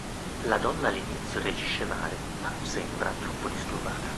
La donna all'inizio reagisce male, ma non sembra troppo disturbata.